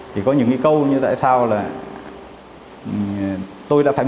thì có những cái câu như tại sao là